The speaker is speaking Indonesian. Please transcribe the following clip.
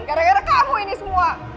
gara gara kawu ini semua